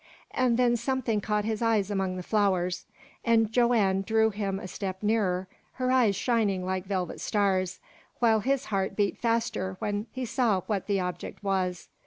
And then something caught his eyes among the flowers, and Joanne drew him a step nearer, her eyes shining like velvet stars, while his heart beat faster when he saw what the object was.